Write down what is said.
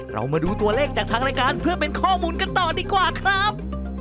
เรามาดูตัวเลขจากทางรายการเพื่อเป็นข้อมูลกันต่อดีกว่าครับ